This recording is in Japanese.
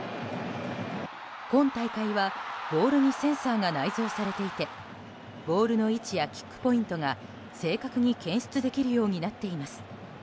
今大会はボールにセンサーが内蔵されていてボールの位置やキックポイントが正確に検出できるようになっています。